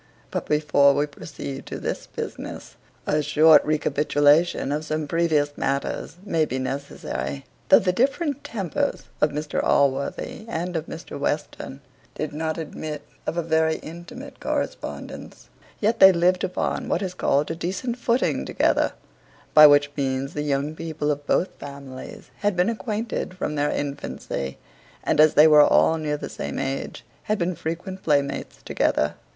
But before we proceed to this business, a short recapitulation of some previous matters may be necessary. Though the different tempers of Mr Allworthy and of Mr Western did not admit of a very intimate correspondence, yet they lived upon what is called a decent footing together; by which means the young people of both families had been acquainted from their infancy; and as they were all near of the same age, had been frequent playmates together.